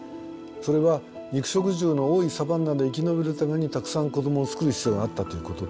それは肉食獣の多いサバンナで生き延びるためにたくさん子どもをつくる必要があったということ。